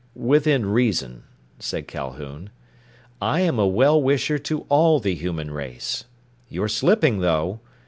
"Within reason," said Calhoun, "I am a well wisher to all the human race. You're slipping, though.